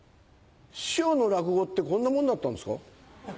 師匠の落語ってこんなもんだったんですか？